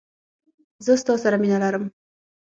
زه ستا سره مینه لرم.